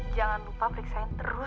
jangan lupa periksain terus